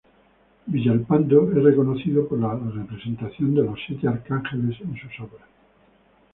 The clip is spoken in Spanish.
Villalpando es reconocido por la representación de los Siete Arcángeles en sus obras.